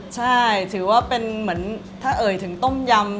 ใช่ถือว่าเป็นเหมือนถ้าเอ่ยถึงต้มยำ